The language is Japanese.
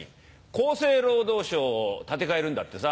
厚生労働省を建て替えるんだってさ。